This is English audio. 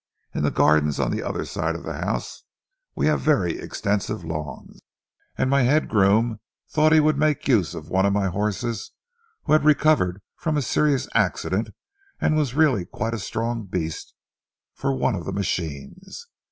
"In the gardens on the other side of the house we have very extensive lawns, and my head groom thought he would make use of one of a my horses who had recovered from a serious accident and was really quite a strong beast, for one of the machines.